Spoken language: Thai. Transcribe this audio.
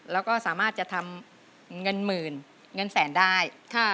แล้วก็สามารถจะทำเงินหมื่นเงินแสนได้